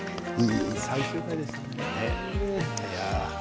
いい最終回でしたね。